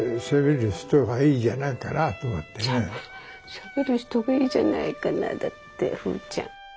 「しゃべる人がいいじゃないかな」だって。